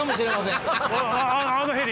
あのヘリ？